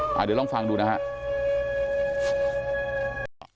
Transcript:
เดี๋ยวลองฟังดูนะฮะ